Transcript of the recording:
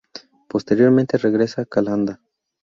Posteriormente regresa a Calanda.